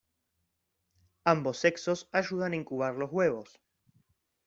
Ambos sexos ayudan a incubar los huevos.